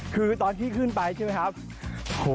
คือตอนที่ขึ้นไปใช่ไหมครับ